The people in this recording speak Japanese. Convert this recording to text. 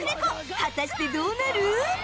果たしてどうなる？